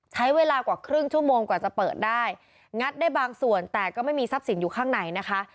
ใช้เวลากว่าครึ่งชั่วโมงกว่าจะเปิดได้งัดได้บางส่วนแต่ก็ไม่มีทรัพย์สินอยู่ข้างในนะคะ